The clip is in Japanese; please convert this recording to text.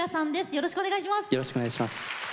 よろしくお願いします。